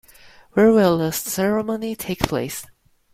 Where will the ceremony take place?